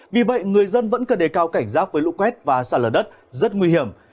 vì vậy người dân vẫn cần đề cao cảnh giác với lũ quét và sạt lở đất rất nguy hiểm